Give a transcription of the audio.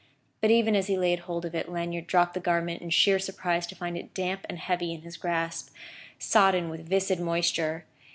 But even as he laid hold of it, Lanyard dropped the garment in sheer surprise to find it damp and heavy in his grasp, sodden with viscid moisture.